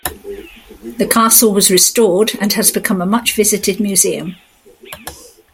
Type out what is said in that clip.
The castle was restored and has become a much visited museum.